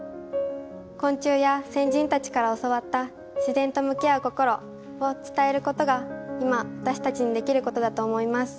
昆虫や先人たちから教わった自然と向き合う心を伝えることが今私たちにできることだと思います。